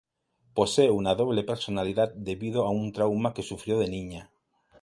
Posee una doble personalidad debido a un trauma que sufrió de niña.